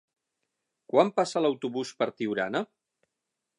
Quan passa l'autobús per Tiurana?